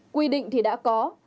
quy định thì đã có